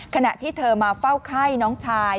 ขณะที่เธอมาเฝ้าไข้น้องชาย